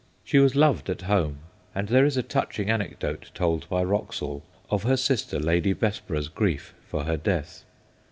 She was loved at home, and there is a touch ing anecdote told by Wraxall of her sister Lady Bessborough's grief for her death.